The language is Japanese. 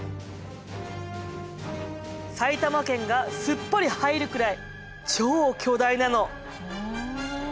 埼玉県がすっぽり入るくらい超巨大なの。